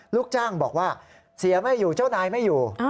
ลูกจ้างบอกว่าเสียไม่อยู่เจ้านายไม่อยู่